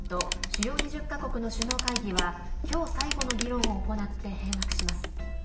主要２０か国の首会議は今日、最後の議論を行って閉幕します。